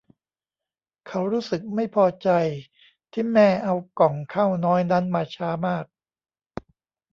เขารู้สึกไม่พอใจที่แม่เอาก่องข้าวน้อยนั้นมาช้ามาก